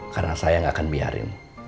karena saya gak akan biarin